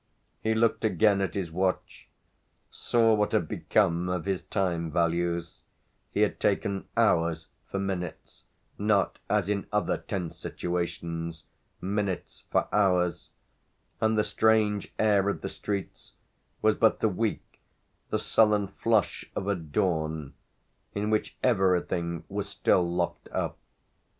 He looked again at his watch, saw what had become of his time values (he had taken hours for minutes not, as in other tense situations, minutes for hours) and the strange air of the streets was but the weak, the sullen flush of a dawn in which everything was still locked up.